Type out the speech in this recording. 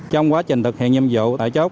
trong quá trình thực hiện nhiệm vụ tại chốt